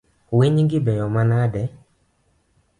Winygi beyo manade?